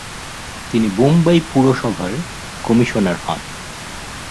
তিনি বোম্বাই পুরসভার কমিশনার হন।